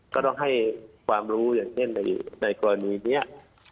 ก็ต้องให้ความรู้อย่างเช่นในกรณีนี้